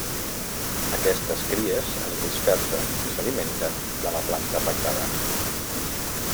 Aquestes cries es dispersen i s'alimenten de la planta afectada.